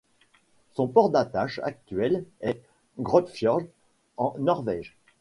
Son port d'attache actuel est Grøtfjord en Norvège.